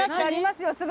ありますよ